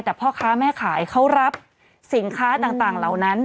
แต่พ่อค้าแม่ขายเขารับสินค้าต่างเหล่านั้น